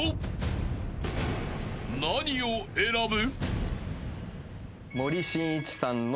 ［何を選ぶ？］